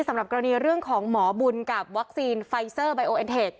สำหรับกรณีเรื่องของหมอบุญกับวัคซีนไฟเซอร์ไบโอเอ็นเทค